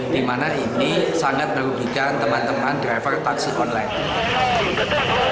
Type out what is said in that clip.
dimana ini sangat merugikan teman teman driver taksi online